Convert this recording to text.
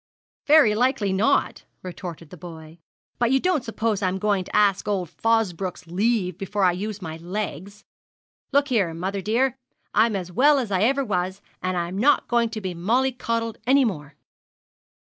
'Very likely not,' retorted the boy; 'but you don't suppose I'm going to ask old Fosbroke's leave before I use my legs. Look here, mother dear, I'm as well as ever I was, and I'm not going to be mollicoddled any more.'